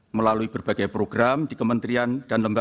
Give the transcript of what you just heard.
melalui berbagai program dikementerian dan lembaga